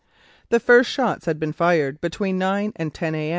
The first shots had been fired between nine and ten a.